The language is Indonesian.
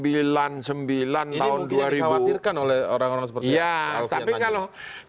ini mungkin yang dikhawatirkan oleh orang orang seperti alfie